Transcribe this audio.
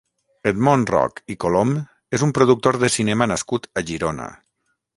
Edmon Roch i Colom és un productor de cinema nascut a Girona.